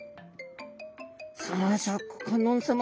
さあシャーク香音さま